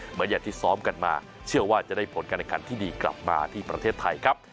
เหมือนอย่างที่ซ้อมกันมาเชื่อว่าจะได้ผลการแข่งขันที่ดีกลับมาที่ประเทศไทยครับ